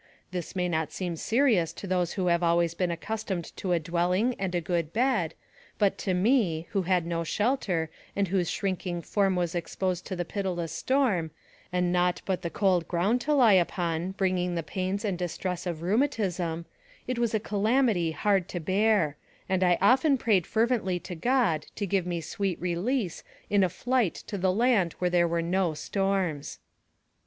This may not seem serious to those who have always been accustomed to a dwelling and a good bed, but to me, who had no shelter and whose shrinking form was exposed to the pitiless storm, and nought but the cold ground to lie upon, bringing the pains and distress of rheumatism, it was a calamity hard to bear, and I often prayed fervently to God to give me sweet release in a flight to the land where there are no storms.